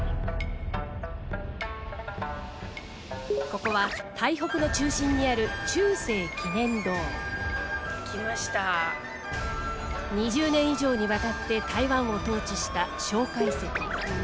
ここは台北の中心にある２０年以上にわたって台湾を統治した蒋介石。